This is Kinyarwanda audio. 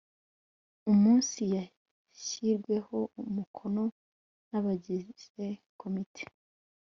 umunsi yashyiriweho umukono n abagize komite